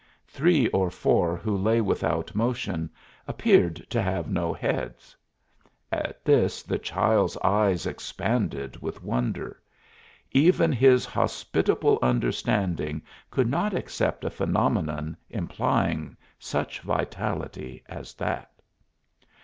Three or four who lay without motion appeared to have no heads. At this the child's eyes expanded with wonder; even his hospitable understanding could not accept a phenomenon implying such vitality as that.